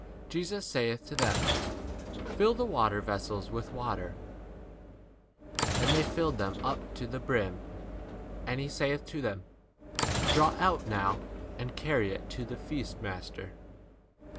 7 Jesus saith to them, Fill the water vessels with water. And they filled them up to the brim. 8 And he saith to them, Draw out now, and carry [it] to the feast master.